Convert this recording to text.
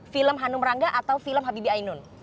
film hanum rangga atau film habibi ainun